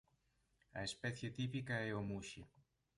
A especie típica é o muxe.